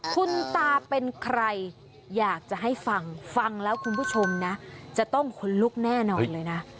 คุณตาเป็นใครอยากจะให้ฟังฟังแล้วคุณผู้ชมนะจะต้องขนลุกแน่นอนเลยนะ